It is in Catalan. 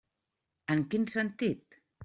En quin sentit?